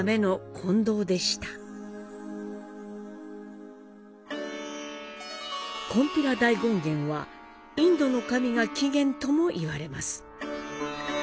金毘羅大権現はインドの神が起源ともいわれます。